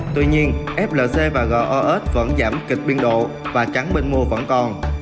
tuy nhiên flc và gos vẫn giảm kịch biên độ và trắng bên mua vẫn còn